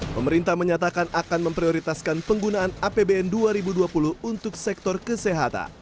pemerintah menyatakan akan memprioritaskan penggunaan apbn dua ribu dua puluh untuk sektor kesehatan